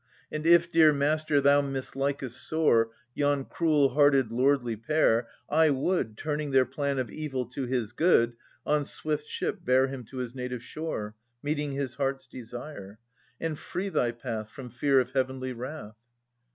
And if , dear master, thou mislikest sore Yon cruel hearted lordly pair, I would. Turning their plan of evil to his good. On swift ship bear him to his native shore. Meeting his heart's desire ; and free thy path From fear of heavenly wrath.